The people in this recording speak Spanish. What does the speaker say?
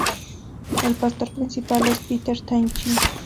El pastor principal es Peter Tan-Chi.